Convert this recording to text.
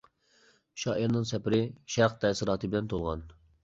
شائىرنىڭ سەپىرى شەرق تەسىراتى بىلەن تولغان.